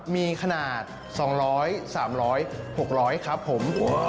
มีขนาด๒๐๐๓๐๐๖๐๐ครับผม